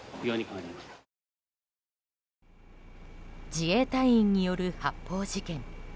自衛隊員による発砲事件。